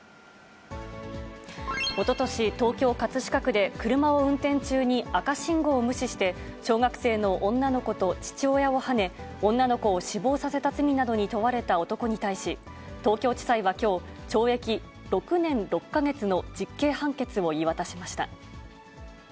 おととし、東京・葛飾区で車を運転中に赤信号を無視して、小学生の女の子と父親をはね、女の子を死亡させた罪などに問われた男に対し、東京地裁はきょう、懲役６年６か月の実刑判決を言い渡しました。